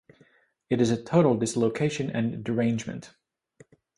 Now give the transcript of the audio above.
It is a total dislocation and derangement.